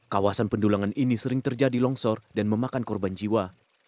kawasan pendulangan ini sering terjadi longsor dan memakan korban jiwa